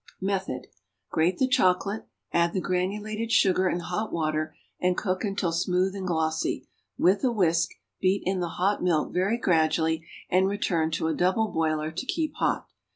Method. Grate the chocolate, add the granulated sugar and hot water, and cook until smooth and glossy; with a whisk beat in the hot milk very gradually, and return to a double boiler to keep hot.